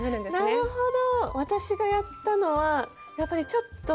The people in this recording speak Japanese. なるほど。